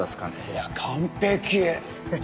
いや完璧！